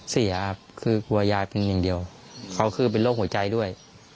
เสียครับคือกลัวยายเพียงอย่างเดียวเขาคือเป็นโรคหัวใจด้วย